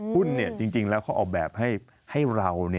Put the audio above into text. หุ้นเนี่ยจริงแล้วเขาออกแบบให้เรา